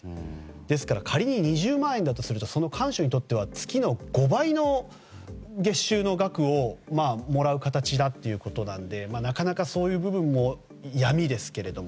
ですから仮に２０万円だとすると看守にとっては月の５倍の月収の額をもらう形だということなのでなかなか、そういう部分も闇ですけれども。